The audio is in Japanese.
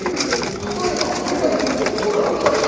例えば栽培方法、ご覧ください。